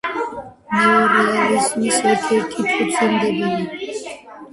ნეორეალიზმის ერთ-ერთი ფუძემდებელი.